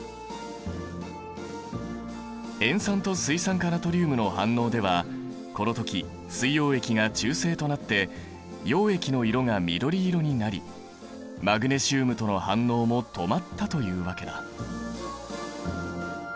塩酸と水酸化ナトリウムの反応ではこの時水溶液が中性となって溶液の色が緑色になりマグネシウムとの反応も止まったというわけだ。